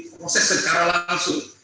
proses secara langsung